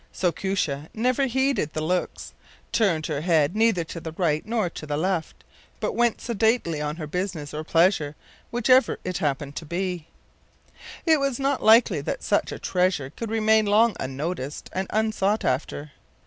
So Koosje never heeded the looks, turned her head neither to the right nor to the left, but went sedately on her business or pleasure, whichever it happened to be. It was not likely that such a treasure could remain long unnoticed and unsought after.